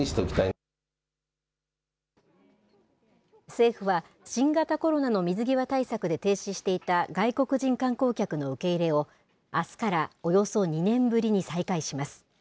政府は新型コロナの水際対策で停止していた外国人観光客の受け入れを、あすからおよそ２年ぶりに再開します。